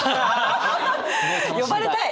呼ばれたい！